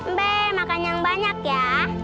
mbe makan yang banyak ya